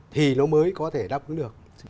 thì nó mới có thể đáp ứng được